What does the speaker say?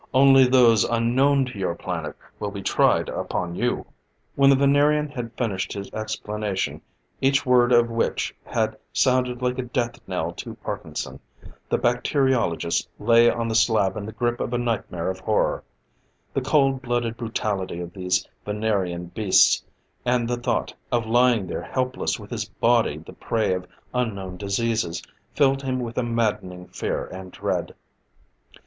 Only those unknown to your planet will be tried upon you." When the Venerian had finished his explanation, each word of which had sounded like a death knell to Parkinson, the bacteriologist lay on the slab in the grip of a nightmare of horror. The cold blooded brutality of these Venerian beasts, and the thought of lying there helpless with his body the prey of unknown diseases, filled him with a maddening fear and dread.